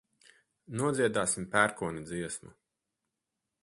Nodziedāsim pērkona dziesmu.